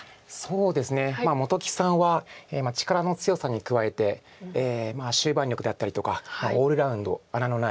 そうですね本木さんは力の強さに加えて終盤力であったりとかオールラウンド穴のないプレーヤーですよね。